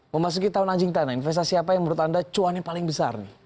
memasuki tahun anjing tanah investasi apa yang menurut anda cuannya paling besar nih